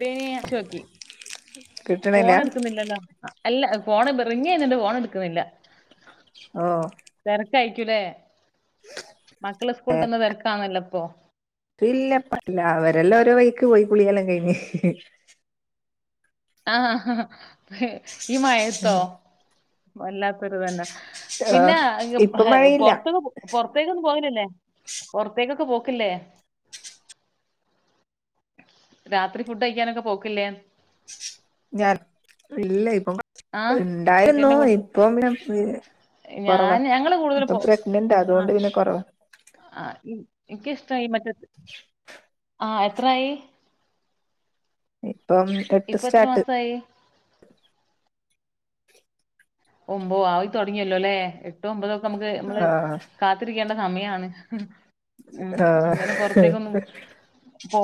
പിന്നെ ഞാൻ ച്ച്നോക്കി കിട്ടണില്ല ഫോൺ എടുക്കുന്നില്ലല്ലോ? അല്ല ഫോണ് റിങ്ങ് ചെയ്യുന്നുണ്ട്. ഫോൺഎടുക്കുന്നില്ല. ഓ തെരക്കായിരിക്കുംഅല്ലേ മക്കളെ സ്കൂളിക്ക് വിടുന്ന തെരക്കാണല്ലോ ഇപ്പ ഇല്ല ഇപ്പം ഇല്ല അവരെല്ലാം ഓരോ വഴിക്ക് പോയി കുളിയെല്ലാം കഴിഞ്. ആ ഹ ഹ് ഈ മഴയത്തോ? വല്ലാത്തൊരു ഇത് തന്നെ. ആ പിന്നെ ഇപ്പൊ മഴയില്ല പൊറത്തൂന്ന് പെറത്തു പുറത്തേക്കൊന്നും പോകലില്ലേ പുറത്തേക്കൊക്കെ പോക്കില്ലേ രാത്രി ഫുഡ് കഴിക്കാനൊക്കെ പോക്കില്ലേ ഞാൻ ഇല്ല ഇപ്പൊ ആ ഇണ്ടായിരുന്നു കെട്ടിയോന്റെ കൂട്ടത്തി ഇപ്പൊ പി ഞാൻ കുറവാ. ഞങ്ങള് കൂടുതൽ ഇപ്പൊ പോ പ്രഗ്നന്റാ അതുകൊണ്ട് പിന്നെ കൊറവാ. ആഹ് എനിക്ക് ഇഷ്ടമായി മറ്റത് ആ എത്രായി? ഇപ്പം എട്ട് ഇപ്പ എത്ര സ്റ്റാർട്ട് മാസമായി ഒമ്പോ ആയി തുടങ്ങിയല്ലോ ലോ അല്ലേ എട്ട് ഒമ്പതൊക്കെ നമുക്ക് നമ്മള് ആ കാത്തിരിക്കേണ്ട സമയാണ് ഉം ആ അന്നേരം ഹ പുറത്തേക്കൊന്നും പോ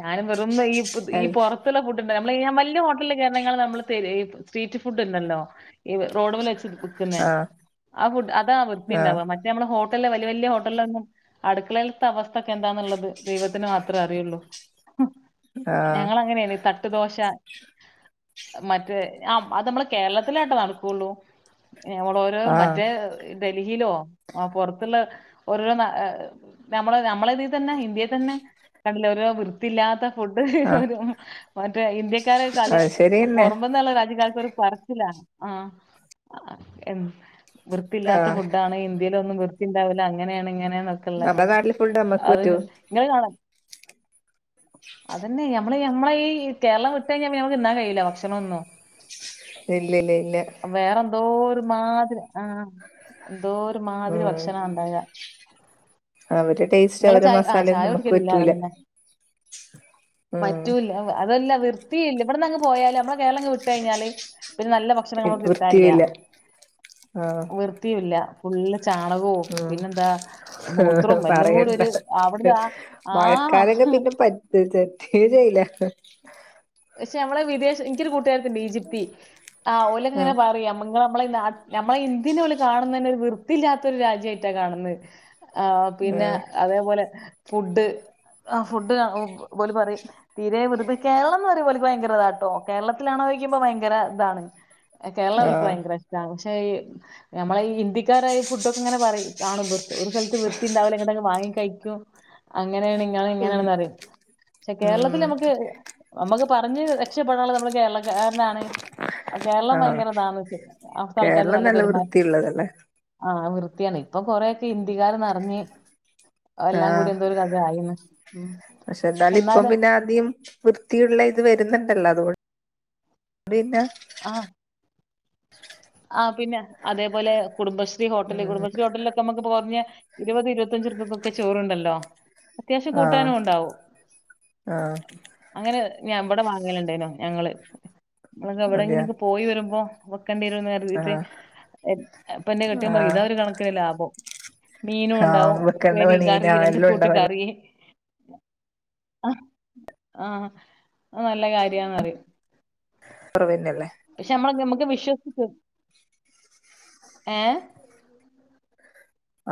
ഞാനും വെറുനെയ്പ്പത് ഈ പൊറ പുറത്ത്ഫുഡ് ഉണ്ട് നമ്മള് വലിയ ഹോട്ടലിൽ കേറണേക്കാൾ നമ്മള് ഈ സ്‌ട്രീറ്റ് ഫുഡ് ഉണ്ടല്ലോ ഈറോഡ് മൽ വെച്ച് വിക്കുന്ന ആ ആ ആ ഫുഡ് അതാ വൃത്തി ഉണ്ടവാ മ റ്റേ നമ്മൾ ഹോട്ടലില് വല്യ വലിയ ഹോട്ടലൊന്നും അടുക്കളയിലത്തെ അവസ്ഥക്കെ എന്താന്നുള്ളത് ദൈവത്തിന് മാത്രമേ അറിയുള്ളൂ ആ ഞങ്ങൾ ആ അങ്ങനെയാണ് തട്ട് തട്ട് ദോശ മറ്റേ ആ അത് നമ്മളെ കേരളത്തിലാട്ടോ നടക്കുള്ളു ഞമ്മളോരോ മറ്റേ ഡൽഹിയിലോ ആ പോറത്തുള്ള ഓരോരോ നമ്മള് നമ്മള ഇതിൽ തന്നെ ഇന്ത്യയിൽ തന്നെ കണ്ടില്ല ഓരോ വൃത്തിയില്ലാത്ത ഫുഡ് ആ മറ്റേ ഇന്ത്യക്കാരെ കളിയ അത് ശരിയന്നെ പുറമന്നുള്ള രാജ്യകാർക്ക് പറച്ചിലവ്യത്തിയില്ല ആ ആ വൃത്തിയില്ലത്തഫുഡാണ് ഇന്ത്യയിലൊന്നും വ്യ ത്തി ഇണ്ടാവല്അങ്ങനെയാണ് ഇങ്ങനെന്നൊക്കെള്ള നമ്മടെ നാട്ടില് ഫുഡ് നമ്മക്ക് അത് പറ്റോ ഇങ്ങള് കാണാം അതന്നെ നമ്മള് നമ്മെ ഈ കേരളം വിട്ട് കഴിഞ്ഞാ നമ്മക്ക് തിന്നാൻ കഴിയില്ല ഭക്ഷണം ഒന്നും ഇല്ല ഇല്ല ഇല്ല എന്തോ ഒരുമാതിരി ആഹ എന്തോ ഒരുമാതിരി ഉം ഭക്ഷണം ഉണ്ടാവ അവരെ ടേസ്റ്റ് അവരെ മസാല ചായ നമുക്ക് കുടിക്കലില്ലാലോ പറ്റൂല പിന്നെ ആ ഹ് പറ്റുലാഅതല്ല വ്യർത്തിയില്ല ഇവിടന്ന് അങ്ങ് പോയല് നമ്മടെ കേരളം വിട്ട് കഴിഞ്ഞാല് പിന്നെ നല്ല ഭക്ഷണം ഇത് നമുക്ക് കിട്ടാൻ ഇല്ല വൃത്തിയില്ല ആഹ് വൃത്തിയുഇല്ല ഫുള്ള് ചാണകവും ആഹ് പിന്നെന്താ ആഹ് മൂത്രവും എല്ലാം കൂടി ഒരു അവിടുന്ന്‌ആഹ് മഴക്കാല പിന്നെ പറ്റു ചെറ്റ ചെയ്ല പക്ഷെ നമ്മളെ വിദേശ എനിക്കൊരു കൂട്ടുകാരരുത്തി ഇണ്ട് ഈജിപ്തി ആ ഓലങ്ങനെ ആഹ് പറയാം നമ്മളെ നമ്മളെ ഇന്ത്യനെ ഓല്കാണുന്നെ ഒരു വൃത്തിയില്ലാത്ത ഒരു രാജ്യ അയിട്ടാ കാണുന്നത് ആ പിന്നെ ആഹ് അതേപോലെ ഫുഡ് ആ ഫുഡ് ഓല് പറിം തീരെ വ്യർത് കേരളം എന്ന് പറയുമ്പോ ഓൽക്ക് ഭയങ്കര ഇതാ കേട്ടോ കേരളത്തിലാണോ ചോദിക്കുമ്പോ ഭയങ്കര ഇതാണ് കേരളം ഓല്ക്ക് ആഹ് ഭയങ്കര ഇഷ്ടമാണ് പക്ഷെ ഞമ്മളെഈ ഇന്ത്യക്കാരായഈ ഫുഡൊക്കെ ഇങ്ങനെ പറയും കാണുമ്പോ ഒരു സ്ഥലത്ത് വൃത്തി ഉണ്ടാവില്ല ഇങ്ങട്ടത്‌വാങ്ങി കഴിക്കും അങ്ങനെയാണ് നിങ്ങൾ ഉം ഇങ്ങനെയണെന്ന് പറയും പക്ഷെ കേരളത്തിൽ ഉം നമുക്ക് നമ്മക്ക് പറഞ്ഞ് രക്ഷപ്പെടാനുള്ളത് നമ്മുടെ കേരളക്കാരനാണ് കേരളം ആഹ് ഭയങ്കര താമസി അവടത്തെ ആൾ കേരളം ക്കാർക്ക്നല്ല നല്ല പെരുമാറ്റം വൃത്തിയുള്ളതല്ലേ ആഹ് വൃത്തിയാണ് ഇപ്പൊ കൊറെക്കെ ഇന്ത്യ കാര് നിറഞ് ഉം ആഹ്പക്ഷെ പക്ഷെ എന്നാലും ഇപ്പം എന്നാല് പിന്നെ ആദ്യം വൃത്തിയുള്ള ഇത് വരുന്നുണ്ടല്ലോ അതുകൊണ്ട് പിന്നെ ആഹ് ആ പിന്നെ അതെ പോലെ കുടുംബശ്രീ ഉം ഹോട്ടല്കളും മറ്റൊ ള്ള ഹോട്ടല നമ്മക്ക് ബോർണിയ ഇരുപത് ഇരുപത്തഞ്ച് ഉറുപിക് ചോറണ്ടല്ലോ അത്യാവശ്യം ആഹ് കൂട്ടാനും ഉണ്ടാവും ആഹ് അങ്ങനെ ഞാൻ ഇവിടെ വാങ്ങലുണ്ടായിരുന്നുഞങ്ങള് അതെയ എവിടെങ്കിലും പോയി വരുമ്പോ വെക്കണ്ടി വരുന്ന് പറഞ്ഞിട്ട് ആഹ് ഇപ്പോ എന്റെ കെട്ടിയോൻ പറയും ആഹ് ഇതാ ഒരു കണക്കിന് ലാഭം മീനും ഉണ്ടാവും ആഹ് വെക്കണ്ട ഉപ്പേരി കറി പണിയില്ല രണ്ട് എല്ലാം കൂട്ട് ഉണ്ടാവല്ലോ കറി ആഹ്നല്ല കാര്യന്ന് പറയും കുറവ് തന്നെ ല്ലേ പക്ഷെ നമ്മള് നമുക്ക് വിശ്വസിക്കു ഏഹ്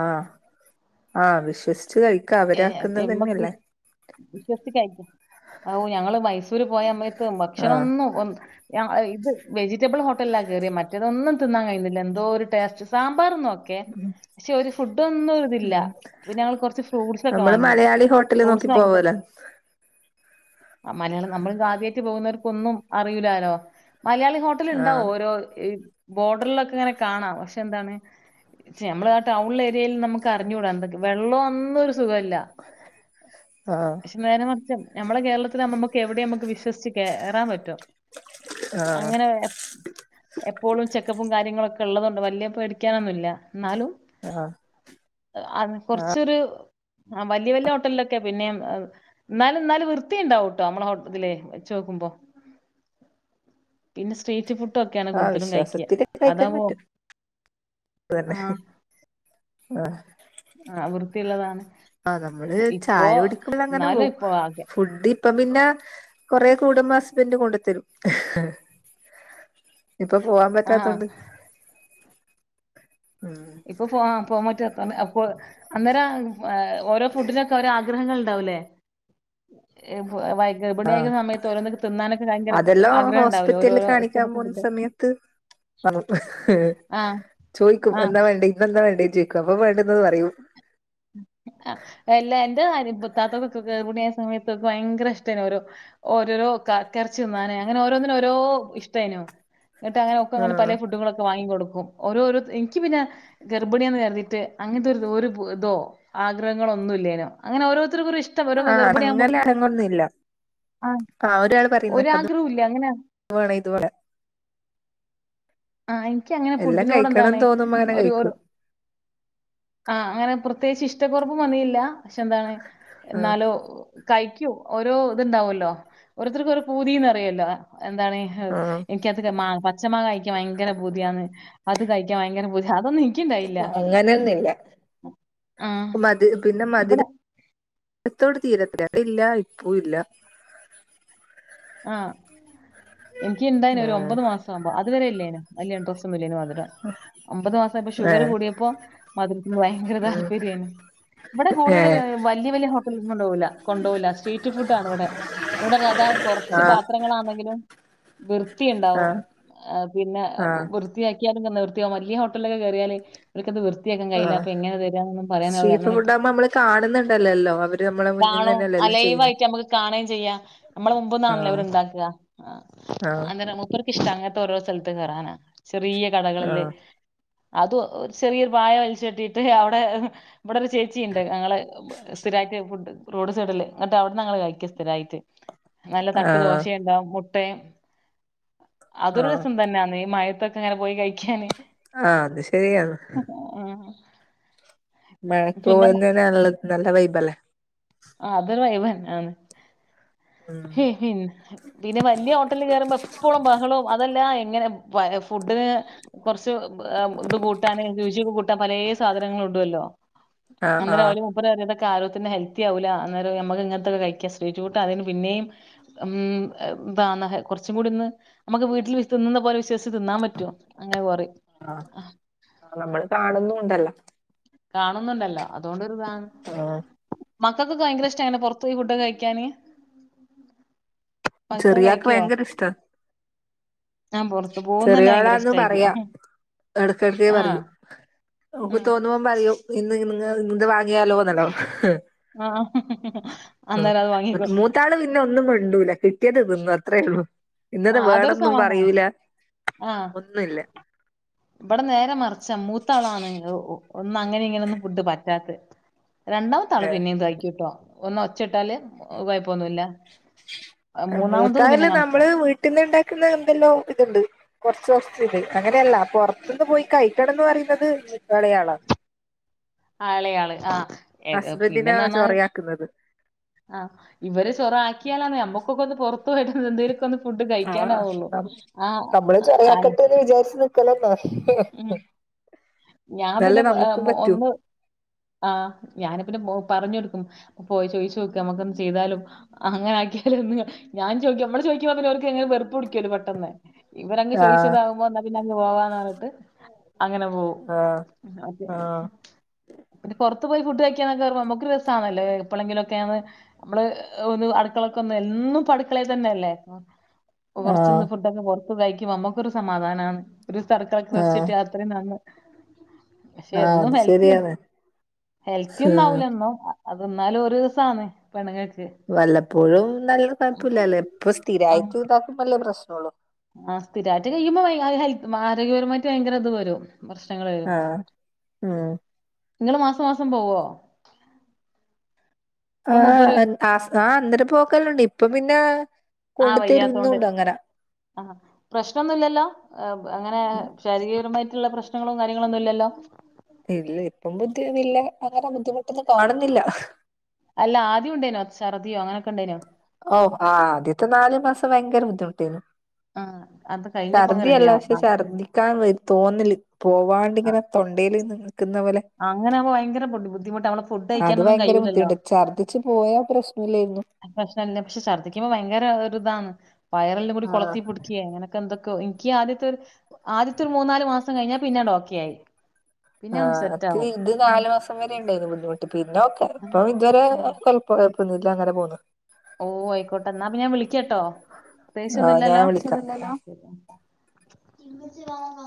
ആഹ് ആഹ് വിശ്വസിച്ച് കഴിക്കാം അവരാക്കുന്നത് തന്നെയല്ലേ വിശ്വസിച്ച്കഴിക്കാം ഔ ഞങ്ങള് മൈസൂര് പോയ സമയത്ത് ഭക്ഷണം ആഹ് ഒന്നും ഒന്ന ഇത് വെജിറ്റബിൾ ഹോട്ടലിലാ കയറിയത്‌മറ്റേതൊന്നും തിന്നാൻ കഴിന്നില്ല എന്തോ ഒരു ടേസ്റ്റ് സാമ്പാർ നോ ക്കെ പക്ഷെ ഒരു ഫുഡ് ഒന്നുംതില്ല ഉം പിന്നെഞങ്ങൾ കുറച്ച് ഫ് ഫ്രൂസക്കെ നമ്മള് വാങ്ങി മലയാളി ഹോട്ടല് ഫ്രൂസ് നോക്കി വാങ്ങിട്ട് പോവലോ ആ മലയാളം നമ്മള് എന്തുവാ ആദ്യയിട്ട് പോകുന്നവർക്കൊന്നും അറിയൂലാലോ മലയാളി ഹോ ട്ടല് ആഹ് ഇണ്ടാവും ഓരോ ബോർഡറിലൊക്കെ ഇങ്ങനെ കാണാം പക്ഷെ എന്താണ് ചേ നമ്മള് ആ ടൗണില് ഏരിയയില് നമുക്ക് അറിഞ്ഞൂടാ എന്തൊക്കെ വെള്ളോ ഒന്നും ഒര് സുഖവില്ല ആഹ് പക്ഷെ നേരെമറിച്ച് ഞമ്മളെ കേരളത്തില് ഞമ്മുക്ക് എവിടെയും ഞമ്മുക്ക് വിശ്വസിച്ച് കെറാൻ പറ്റും ആഹ് അങ്ങനെ വേ എപ്പോഴും ചെക്കപ്പും കാര്യങ്ങളൊക്കെ ഇള്ളതൊണ്ട് വല്യയ പേടിക്കാനൊന്നു വില്ല എന്നാലും ആഹ് ആ കൊർച്ചൊര് വല്യ വല്യ ഹോട്ടലിലൊക്കെ പിന്നേയും എന്നാലും എന്നാലും വൃത്തിയ ഇണ്ടാവുട്ടോ നമ്മളെ ഹോട്ടതിലേ വെച്ചോക്കുമ്പോ പിന്നെ സ്ട്രീറ്റ് ഫുഡ് ഒക്കെയാണ് ആഹ് കൂടുതലും കയിക്യ വിശ്വാസത്തില് അതുമ്പോ അത് തന്നെ ആഹ് ആഹ് വൃത്തിയുള്ളതാണ് ആഹ് നമ്മള് ഇപ്പോ ചായ കുടിക്കുമ്പോ അങ്ങനെ എന്നാലും പോം ഇപ്പൊ ആകെ ഫുഡ് ഇപ്പ പിന്നെ കൊറെ കൂടുബം ഹസ്ബെന്റ് കൊണ്ടുത്തെരും ഇപ്പ പോവാൻ ആഹ് പറ്റാത്തോണ്ട് ഉം ഇപ്പൊ പോ പോവാൻ പറ്റാത്തോണ്ട് അപ്പോ അന്നരം ഓരോ ഫുഡിനൊക്കെ ഓരോ ആഗ്രഹങ്ങള് ഇണ്ടാവുല്ലേ [unintelligible] ആഹ് ഗർഭിണിയായിരിക്കുന്ന സമയത്ത് ഓരോന്നിക്ക് തിന്നാനൊക്കെ ഭയങ്കര അതെല്ലാം ആഗ്രഹം ഇണ്ടാവല്ലോ ഹോസ്പിറ്റലില് ഓരോരോ കാണിക്കാൻ ഇഷ്ടപ്പെട്ട പോകുന്ന ഫുഡ് സമയത്ത് ആഹ് ചോയിക്കും ആഹ് എന്താ വേണ്ടെ ഇന്നെന്താ വേണ്ടെ ചോയിക്കും അപ്പൊ വേണ്ടിന്നത് പറയും ആ എല്ലാ എന്റെ അരി പുത്താത്തക്ക ഗേബിണി ആയ സമയത്തൊക്കെ ഭയങ്കര ഇഷ്ടാണ് ഓരോ ഓരോരോ കക്കെറച്ചി നിന്നാനേ അങ്ങനെ ഓരോന്നിനും ഓരോ ഇഷ്ടായിനു എന്നിട്ടങ്ങനെക്കെ അങ്ങനെ ആഹ് പലേ ഫുഡുകളൊക്കെ വാങ്ങി കൊടുക്കും ഓരോരോ എനിക്ക് പിന്നെ ഗർബിണി ആണെന്ന് കരുതിയിട്ട് അങ്ങനത്തെ ഒര് പൂ തോ ആഗ്രഹങ്ങളൊന്നു ഇല്ലേനോ അങ്ങനെ ഓരോത്തർക്കും ഓരോ ഇഷ് ആ അങ്ങനെ ആരങ്ങും ഒന്നുല്ല ആ ഒരാള് പറയുന്ന [unintelligible] ഒരാഗ്രഹവും ഇല്ല അങ്ങനെ വേണം ഇതുപോലെ ആഹ് എനിക്ക് അങ്ങനെ എല്ലാം ഫുഡിനോട് കഴിക്കണം എന്താണ് തോന്നുമ്പോ അങ്ങനെ ഒരു കഴിക്കും ആഹ് അങ്ങനെ പ്രത്യേകിച്ച് ഇഷ്ടക്കെറവും വന്നിയില്ല പക്ഷെ എന്താണ് ആഹ് എന്നാലോ കയിക്കും ഓരോ ഇത് ഇണ്ടാവല്ലോ ഓരോരുത്തർക്ക് ഓരോ പൂതിന്ന് പറയുവല്ലോ എന്താണ് ആഹ് എനിക്കത് മാ പച്ച മാങ്ങ കയിക്കാൻ ഭയങ്കര പൂതിയാണ് അത് കഴിക്കാൻ ഭയങ്കര പൂതി അതൊന്നും എനിക്കുണ്ടായില്ല. അങ്ങനെയൊന്നുല്ല ആഹ് മതി പിന്നെ ഇവിടെ മതിരം ഇത്തോട് തീരത്തില്ല [unintelligible] ഇല്ല ഉപ്പുല്ല ആഹ് എനിക്ക് ഇണ്ടായിന് ഒര് ഉം ഒമ്പത് മാസം ആമ്പോ അതു വെരെ ഇല്യാന് വല്യ ഇൻട്രസ്റ്റ് ഒന്നു ഇല്ലേനെ മതിരവാ ഒമ്പത് മാസായപ്പം ഷുഗറ് ഏഹ് കൂടിയപ്പോ മധുരത്തിന് ഭയങ്കര താല്പര്യാണ് ഇവടെ കൂടുതല് ഏഹ് വല്യയ വല്യയ ഹോട്ടലിലോന്നും കൊണ്ടോവില്ല കൊണ്ടോവില്ല സ്ട്രീറ്റ് ഫുഡ് ആണ് ഇവടെ ഇവടെ [unintelligible] കൊറച്ച് ആഹ് പാത്രങ്ങളാണെങ്കിലും വൃത്തി ഇണ്ടാവും ആഹ് ആ പിന്നെ ആഹ് വൃത്തിയാക്കിയാലും വൃത്തിയാ വല്യയ ഹോട്ടലൊക്കെ കെറിയാല് അവർക്കത് വൃത്തിയാക്കാൻ കയ്യില്ല ആഹ് അപ്പം എങ്ങനെ തരാന്നൊന്നും പറയാൻ അവര് സ്ട്രീറ്റ് അങ്ങനെ ഫുഡ് എന്നിട്ട് ആകുമ്പോ നമ്മള് കാണുന്നുണ്ടല്ലല്ലോ അവര് നമ്മളെ മുന്നിൽ നിന്ന് കാണും അ തന്നെയല്ലല്ലോ ചെയ്യുന്നത് ലൈവായിട്ട് നമുക്ക് കാണേയും ചെയ്യാം നമ്മള് മുമ്പ് നാ ആഹ് അവര് ഇട്ടാക്ക ആഹ് ആഹ് അന്നേരം മുപ്പർക്കിഷ്ടാ അങ്ങനത്തെ ഓരോ സ്ഥലത്തും കെറാനാ ചെറിയ കടകളില് ആഹ് അത് ചെറിയൊര് പായ വലിച്ച് കെട്ടിട്ട് അവടെ ഇവടെ ഒര് ചേച്ചി ഇണ്ട് ഞങ്ങള് സ്ഥിരായിട്ട് ഫുഡ് റോഡ് സൈഡില് എന്നിട്ട് അവട്ന്ന് ഞങ്ങള് കയിക്യ സ്ഥിരായിട്ട് നല്ല [unintelligible] ആഹ് ദോശയുണ്ടാവും മുട്ടേം അതൊര് ആഹ് രസം തന്നെയാണ് ഈ മഴേത്തൊക്കെ അങ്ങനെ പോയി കഴിക്കാന് ആഹ് അത് ശെരിയാണ് ഉം മഴക്ക് പോവുന്നത് നള്ള നല്ല വൈബ് അല്ലേ അഹ് അതൊരു വയബ് തന്നാണ് ഉം [unintelligible] പിന്നെ വലിയ ഹോട്ടലിൽ കേയറുമ്പോ എപ്പോഴും ബഹളവും അതെല്ലാ എങ്ങനെ ഫുഡിന് കുറച്ച് ഇത് കൂട്ടാൻ ശുചി കൂട്ടാൻ പലയ സാധനങ്ങൾ ഉടുല്ലോ ആഹ് അന്നേരം ആഹ് ഒരു മൂപ്പര് [unintelligible] [unintelligible] അന്നേരം നമ്മക്ക് ഇങ്ങനത്തെക്ക കഴിക്കാൻ ശ്രഹിച്ചുട്ട അതിന് പിന്നെയും ഉം ന്തന്ന കുറച്ചും കൂടി ഇന്ന് നമുക്ക് വീട്ടിൽ തിന്നുന്ന പോലെ വിശ്വസിച്ച് തിന്നാൻ പറ്റോ അങ്ങനെ കോറി ആഹ് ആഹ് നമ്മള് കാണുന്നു ഉണ്ടല്ല കാണുന്നുണ്ടല്ലോ അതുകൊണ്ട് ഒരു താണ് ആഹ് മക്കൾക്കൊക്കെ ഭയങ്ക ഇഷ്ടനെ പുറത്ത പോയി ഫുഡ് കഴിക്കാന് മക്കള് ചെറിയക്ക് ഭയങ്കര ഇഷ്ട ആഹ് പുറത്ത് പോകന്ന് തന്നെ ഭയങ്കര ഇഷ്ട ആരിക്കോ ടക്കട്ട് പറയു ആ നമുക്ക് തോന്നുമ്പൻ പറയൂ ഇന്ന് നി [unintelligible] ആ അന്നേരം അത് വാങ്ങിക്കോ. [unintelligible] ഇട്ടാള് പിന്നെ ഒന്നും മിണ്ടൂല കിട്ടിയത് നിന്നും അത്രേയള്ളൂ ഇന്നത്തെ വേണൊന്നും പറയൂല അഹ് ന്നല്ല ഇവിടെ നേരെ മറിച്ച മൂത്താളാണ് ഒന്നും അങ്ങനെ ഇങ്ങനെയ ഒന്നും ഫുഡ് പറ്റാത്ത രണ്ടാമ താള് പിന്നെ ഇതയ്ക്കിട്ടോ ഒന്ന് ഒച്ചട്ടാല് വയ്പൊന്നുല്ല മൂന്നാമത്തൊന്നും പിന്നെ കണക്കാ പെട്ടന്ന്ണ്ടാക്കുന്ന എന്തെല്ലോ ഇതുണ്ട് കുറച്ച് കുച്ച് ഇത് അങ്ങനെയല്ല അപ്പൊ പുറത്തുന്ന് പോയി കഴറ്റണംന്ന് പറയുന്നത് മത്തള ആളോ ആളെയാള് ആഹ് ഏ ഹസ്ബൻഡിനെ പിന്നെന്നു പറഞ്ഞാ ചൊറയാക്കുന്നത് ആഹ് ഇവരെ ചൊറ ആക്കിയാലാ നമ്മക്കൊക്കെ ഒന്ന് പുറത്ത് പോയിട്ട് എന്തേങ്കിലൊക്ക ഒന്ന് ഫുഡ് കഴിക്കാന ആഹ് ആവുള്ളൂ ആഹ് നമ്മളും ആ ചൊറയാക്കട്ടെന്ന് ഉം. [unintelligible] ഞാൻ ന്നാലേ പിന്നെ നമുക്കും പറ്റൂ [unintelligible] ആഹ് ഞാനിപ്പെ പറഞ്ഞ കൊടുക്കും പോയി ചോദിച്ചു നോക്കും നമ്മുക്ക ചെയ്താലും അങ്ങനക്കിയാലോ ഞാൻ ചോയിക്ക മ്മള് ചോയിക്ക് പോ അവർക്ക് എങ്ങനെ വെറപ്പ കുടിക്കുവല്ല പെട്ടെന്ന് ഇവരങ്ങ് ആഹ് ചോദിച്ചതാവുമ്പോ എന്നാ പിന്നെ അങ്ങ് പോവാന്ന് പറഞ്ഞട്ട് അങ്ങനെ പോവും ആഹ് മറ്റേ ആഹ് [unintelligible] പുറത്ത് പോയി ഫുഡ്ഴിക്കാനൊക്കെ പറ നമുക്ക് രസാണല്ലേ എപ്പോഴെങ്കിലുംക്കെയാണ് നമ്മള് ഒന്ന് അടുക്കളക്ക ഒന്ന എന്നും പടുക്കളയിൽ തന്നെയല്ലേ ആഹ് കുറച്ചന്ന് ഫുഡൊക്കെ പുറത്ത് തയ്ക്കുമ്പോ നമക്കൊരു സമാധാനമാണ് ഒരു സർക്കളൊക്കെ ആഹ് കറിച്ചിട്ട് ത്രയും നന്ന് പക്ഷെ ആഹ് എന്നും അത് ഹെൽറ്റ ശരിയാണ് ഹെൽത്തി ആഹ് ഒന്നാവൂല എന്നോ അത് എന്നാലും ഒരു ദിവസ ആന്ന് പെണ്ണു [unintelligible] വല്ലപ്പോഴും നല്ല തല്പ്പില്ലല്ലോ ഇപ്പ ആഹ് സ്ഥിരമായിട്ട് ഇതാക്കുമ്പോല്ലേ പ്രശ്നം ഉള്ളു ആഹ് സ്ഥിരായിട്ട് കഴിയുമ്പോൾ [unintelligible] ആരോഗ്യപരമായിട്ട് ഭയങ്കര ഇത് വരും പ്രശ്നങ്ങ വരും ആഹ് ഉം നിങ്ങള് മാസം മാസം പോവോ ഇപ്പൊ മൂപ്പര് ആഹ് ആ അന്നേരം പോക്കല്ലണ്ട് ഇപ്പൊ പിന്നെ ആഹ് കൊണ്ട് വയ്യാത്തോണ്ട് തരുന്നുണ്ട് അങ്ങനെ ആഹ് പ്രശ്നന്നുഇല്ലോലോ അങ്ങനെ ശാരീരികപരമായിട്ടുള്ള പ്രശ്നങ്ങളും കാര്യങ്ങളൊന്നും ഇല്ലല്ലോ ഇല്ല ഇപ്പം ബുദ്ധിന്ന ഇല്ല അങ്ങനെ ബുദ്ധിമുട്ടൊന്നും കാണുന്നില്ല അല്ല ആദ്യം ഉണ്ടേനോ ഛർദിയോ അങ്ങനൊക്കെ ഉണ്ടേനോ ഓഹ് ആ ആദ്യത്തെ നാല് മാസം ഭയങ്കര ബുദ്ധിമുട്ടിരുന്നു ആഹ് അത് കഴിഞ്ഞപ്പോ അങ്ങ് ഛർദിയല്ല റെഡിയാവും പക്ഷെ ആഹ് ഛർദിക്കാൻ വ തോന്നില്ല പോവാണ്ട് ഇങ്ങനെ തൊണ്ടൽ നിക്കുന്ന പോലെ അങ്ങനാവുമ്പോ ഭയങ്കര ബുദ്ധിമുട്ടാ നമ്മള് ഫുഡ് അത് കഴിക്കാനൊന്നും ഭയങ്കര കഴിയൂലല്ലോ ബുദ്ധിണ്ട് ഛർദിച്ചു പോയ പ്രശ്ന ഇല്ലായിരുന്നു പ്രശ്ന്ന പക്ഷെ ഛദ്ദിക്കുമ്പോ ഭയങ്കര ഒരു ഇതാണ് വയറല്ലാം കൂടി ആഹ് കുളത്തി പിടിക്കുക അങ്ങനെ എന്തൊക്കെയ എനിക്ക് ആദ്യത്തെ ആദ്യത്തെ ഒരു മൂന്നാല് മാസം കഴിഞ്ഞാൽ പിന്നൊണ്ട് ഒക്കെ ആയി. പിന്നെ അങ്ങ് സെ ഇത് ഇത് നാല് മാസം വരെ ണ്ടായിരുന്നു ബുദ്ധിമുട്ട് പിന്നൊക്കെ ഉം, ഇപ്പം ഇതുവരെ ഉം. കൊഴ കെഴപ്പൊന്നൂല്ല്യ അങ്ങനെ പോണ് ഓ ആയിക്കോട്ടെ എന്നാ പ്പിന്നെ ഞാൻ വിളിക്കാട്ടോ പ്രത്യേകിച്ച് ആഹ് ഞാൻ ഒന്നുല്ലല്ലോ വിളിക്കാം ഓകെ ഇമ്മച്ചി വാ വാ